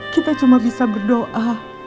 kita cuma bisa berdoa